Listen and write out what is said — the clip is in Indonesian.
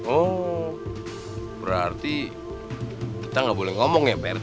oh berarti kita nggak boleh ngomong ya pak